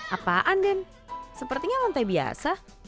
apaan den sepertinya lantai biasa